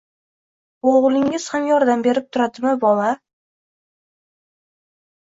— Bu, o‘g‘lingiz ham yordam berib turadimi, bova?